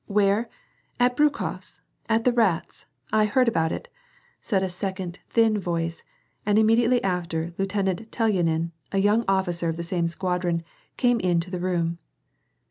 " Where ? At Buikof 's — at the Rat's — I heard about it," said a second, thin voice, and immediately after, Lieutenant Telyanin, a young officer of the same squadron, came into the room.